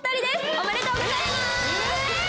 おめでとうございます！